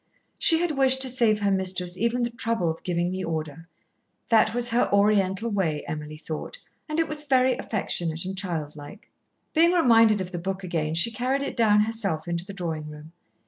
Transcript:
She had wished to save her mistress even the trouble of giving the order. That was her Oriental way, Emily thought, and it was very affectionate and child like. Being reminded of the book again, she carried it down herself into the drawing room.